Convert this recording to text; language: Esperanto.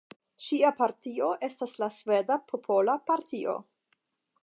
Ŝia partio estas la Sveda Popola Partio.